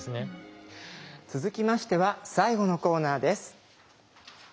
続きましては最後のコーナーです。